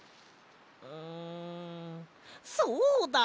んそうだ！